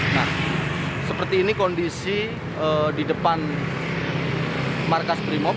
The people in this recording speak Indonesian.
nah seperti ini kondisi di depan markas brimob